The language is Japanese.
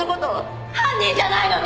犯人じゃないのに！